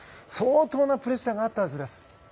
相当なプレッシャーがあったはずです。